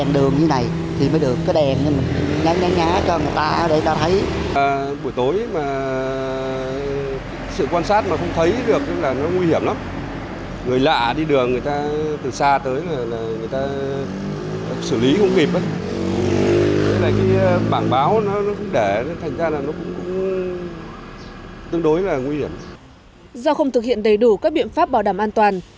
do không thực hiện đầy đủ các biện pháp bảo đảm an toàn